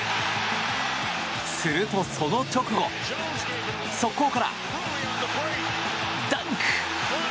すると、その直後速攻からダンク！